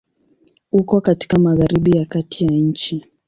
Uko katika Magharibi ya kati ya nchi.